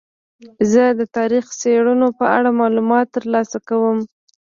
زه د تاریخي څیړنو په اړه معلومات ترلاسه کوم.